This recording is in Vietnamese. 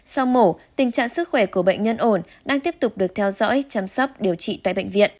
sau mổ tình trạng sức khỏe của bệnh nhân ổn đang tiếp tục được theo dõi chăm sóc điều trị tại bệnh viện